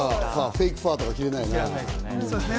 フェイクファーとか着れないね。